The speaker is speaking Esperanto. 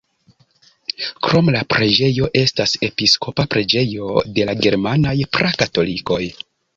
Krome la preĝejo estas episkopa preĝejo de la germanaj pra-katolikoj.